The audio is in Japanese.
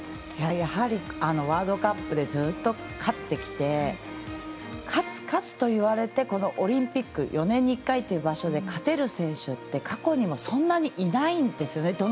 やはりワールドカップでずっと勝ってきて勝つ、勝つといわれて４年に１回という場所で勝てる選手って過去にもそんなにいないんですね